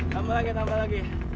tambah lagi tambah lagi